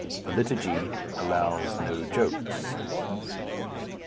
The liturgy allows no jokes.